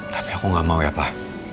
tapi aku gak mau ya pak